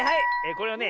これはね